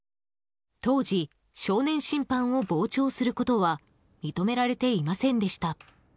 当時、少年審判を傍聴することは認められていませんでした。